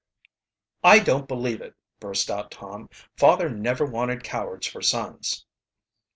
"I don't believe it," burst out Tom. "Father never wanted cowards for sons."